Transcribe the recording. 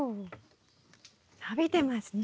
伸びてますね。